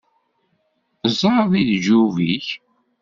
Ẓer deg leǧyub-ik!